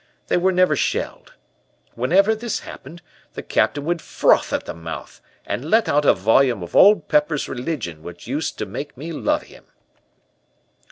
They were never shelled. Whenever this happened, the Captain would froth at the mouth and let out a volume of Old Pepper's religion which used to make me love him.